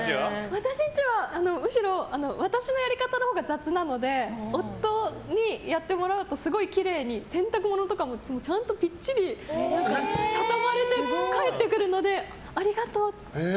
私のうちは、むしろ私のやり方のほうが雑なので夫にやってもらうとすごいきれいに洗濯物とかも、ちゃんとぴっりち畳まれて返ってくるのでありがとうって。